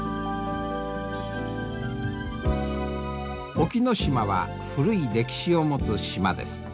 隠岐島は古い歴史を持つ島です。